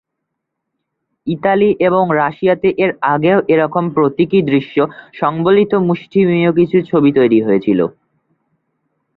Italy এবং রাশিয়াতে এর আগেও এরকম প্রতীকী দৃশ্য সংবলিত মুষ্টিমেয় কিছু ছবি তৈরি হয়েছিল।